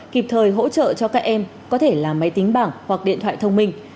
kịp thời hỗ trợ cho các em có thể là máy tính bảng hoặc điện thoại thông minh